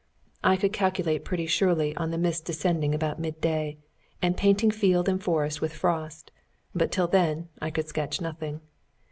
I could calculate pretty surely on the mist descending at midday, and painting field and forest with frost; but till then I could sketch nothing.